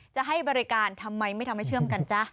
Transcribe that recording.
จะให้บริการทำไมไม่ทำให้เชื่อมกันจ๊ะ